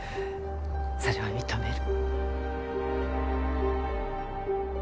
それは認める。